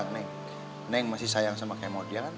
neng masih sayang sama kemot ya kan